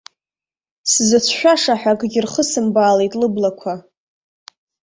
Сзыцәшәаша ҳәа акгьы рхысымбаалеит лыблақәа.